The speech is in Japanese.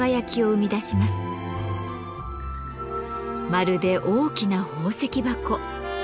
まるで大きな宝石箱。